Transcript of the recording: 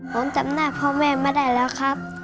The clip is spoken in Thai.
ผมจำหน้าพ่อแม่มาได้แล้วครับ